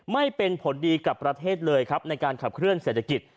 ไม่เป็นผลดีกับประเทศเลยครับในการขับเคลื่อเศรษฐกิจ